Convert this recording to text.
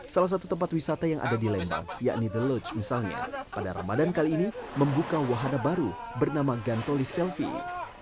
salah satu tempat wisata yang ada di lembang yakni the loach misalnya pada ramadan kali ini membuka wahana baru bernama gantoli selfie